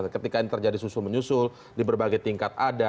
ketika ini terjadi susul menyusul di berbagai tingkat ada